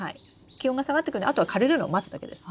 気温が下がってくるのであとは枯れるのを待つだけです。